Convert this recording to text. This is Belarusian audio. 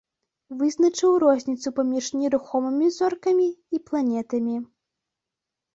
Вызначыў розніцу паміж нерухомымі зоркамі і планетамі.